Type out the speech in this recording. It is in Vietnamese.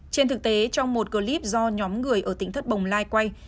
trên thực tế trong một clip do nhóm người ở tỉnh thất bồng lai quay